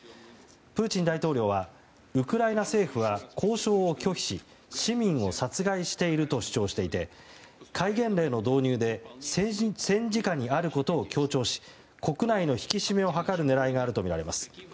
プーチン大統領はウクライナ政府は交渉を拒否し市民を殺害していると主張していて戒厳令の導入で戦時下にあることを強調し国内の引き締めを図る狙いがあるとみられます。